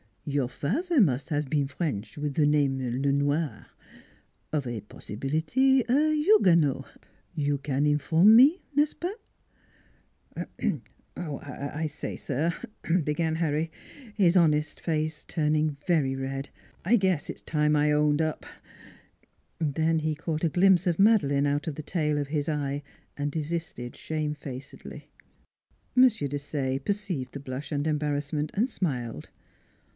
" Your father must have been French, with the name Le Noir of a possibility a Huguenot. You can inform me n'est ce pas? "" Er I say, sir," began Harry, his honest face turning very red. " I guess it's time I owned up Then he caught a glimpse of Madeleine out of the tail of his eye and desisted shamefacedly. M. Desaye perceived the blush and embarrass ment and smiled.